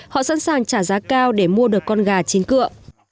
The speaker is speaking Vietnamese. họ sẵn sàng trả giá cao để mua được con gà chín cựa